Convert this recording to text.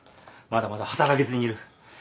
まだまだ働けずにいる。